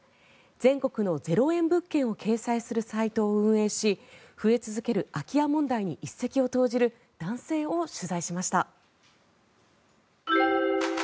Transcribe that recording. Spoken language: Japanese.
全国の０円物件を掲載するサイトを運営し増え続ける空き家問題に一石を投じる男性を取材しました。